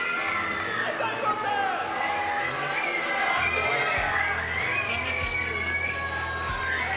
すごいね。